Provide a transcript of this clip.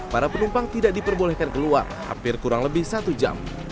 para penumpang tidak diperbolehkan keluar hampir kurang lebih satu jam